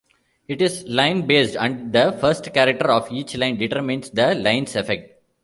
It is line-based, and the first character of each line determines that line's effect.